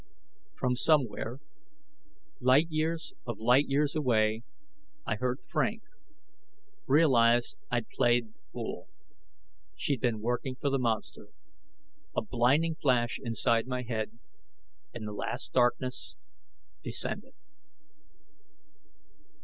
From somewhere, light years of light years away, I heard Frank, realized I'd played the fool: she'd been working for the monster. A blinding flash inside my head and the Last Darkness descended.